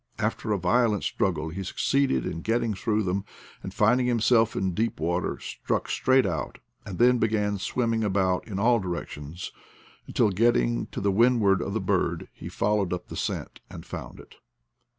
After a vio lent struggle he succeeded in getting through them, and, finding himself in deep water, struck straight out, and then began swimming about in all directions, until, getting to windward of the bird, he followed up the scent and found it.